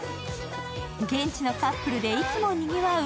現地のカップルで、いつもにぎわう